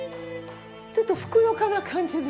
ちょっとふくよかな感じでね。